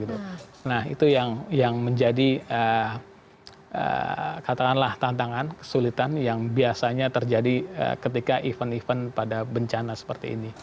nah itu yang menjadi katakanlah tantangan kesulitan yang biasanya terjadi ketika event event pada bencana seperti ini